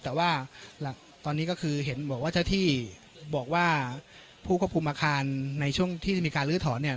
แต่ว่าหลักตอนนี้ก็คือเห็นบอกว่าเจ้าที่บอกว่าผู้ควบคุมอาคารในช่วงที่มีการลื้อถอนเนี่ย